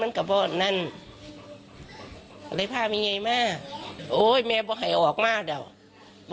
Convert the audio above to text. จัดการออกมาเนี่ยั้งบอกหลังทางเดี๋ยว